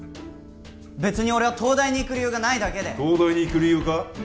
べつに俺は東大に行く理由がないだけで東大に行く理由か？